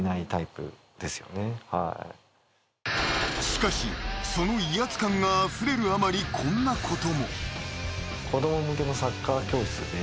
［しかしその威圧感があふれるあまりこんなことも］